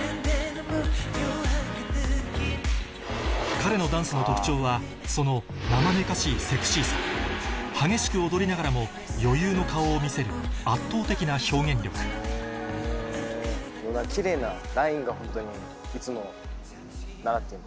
彼のダンスの特徴はその艶めかしいセクシーさ激しく踊りながらも余裕の顔を見せる圧倒的な表現力ホントにカッコいいので。